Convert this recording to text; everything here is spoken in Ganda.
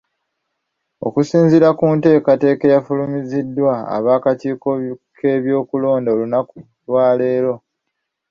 Okusinziira ku nteekateeka eyafulumiziddwa ab'akakiiko k'ebyokulonda olunaku lwaleero